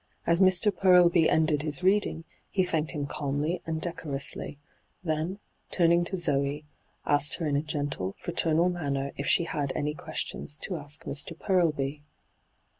As Mr. Purlby ended his reading, he thanked him calmly and decorously ; then, turning to Zoe, asked her in a gentle, fraternal manner if she had any questions to ask Mr. Purlby.